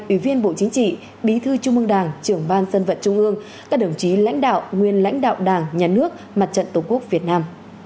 ủy viên bộ chính trị bí thư trung ương đảng trưởng ban dân vận trung ương các đồng chí lãnh đạo nguyên lãnh đạo đảng nhà nước mặt trận tổ quốc việt nam